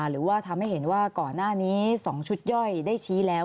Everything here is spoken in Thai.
หรือว่าทำให้เห็นว่าก่อนหน้านี้๒ชุดย่อยได้ชี้แล้ว